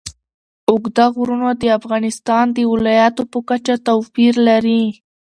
اوږده غرونه د افغانستان د ولایاتو په کچه توپیر لري.